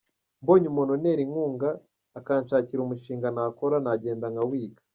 Mbonye umuntu untera inkunga, akanshakira umushinga nakora, nagenda nkawiga.